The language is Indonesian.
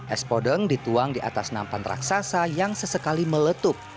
es podeng dituang di atas nampan raksasa yang sesekali meletup